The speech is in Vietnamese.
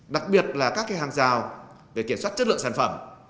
đặc biệt là các hàng rào về kiểm soát chất lượng sản phẩm